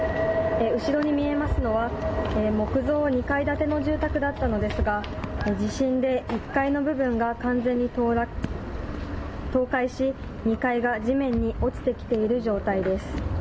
後ろに見えますのは、木造２階建ての住宅だったのですが、地震で１階の部分が完全に倒壊し、２階が地面に落ちてきている状態です。